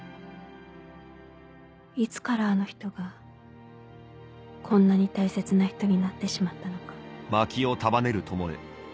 「いつからあの人がこんなに大切な人になってしまったのか」。